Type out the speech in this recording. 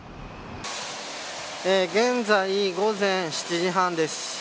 現在、午前７時半です。